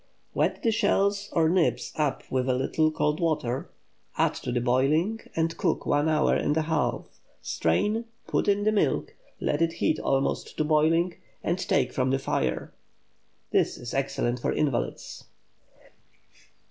Wet the shells or nibs up with a little cold water; add to the boiling, and cook one hour and a half; strain, put in the milk, let it heat almost to boiling, and take from the fire. This is excellent for invalids.